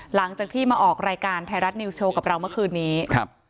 หลังจากที่มาออกรายการไทยรัฐนิวสโชว์กับเราเมื่อคืนนี้ครับ